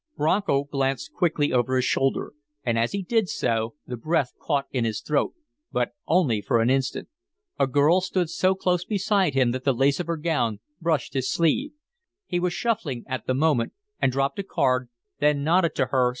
Bronco glanced quickly over his shoulder, and as he did so the breath caught in his throat but for only an instant. A girl stood so close beside him that the lace of her gown brushed his sleeve. He was shuffling at the moment and dropped a card, then nodded to her.